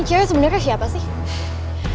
ini cewek sebenernya siapa sih